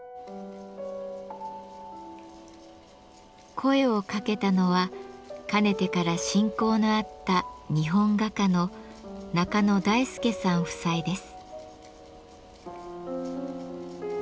声をかけたのはかねてから親交のあった日本画家の中野大輔さん夫妻です。